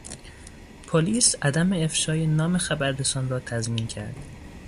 پلیس عدم افشای نام خبررسان را تضمین کرد.